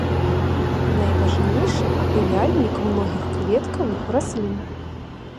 Найважнейшы апыляльнік многіх кветкавых раслін.